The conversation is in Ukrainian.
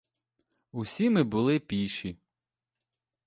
Усі ми були піші.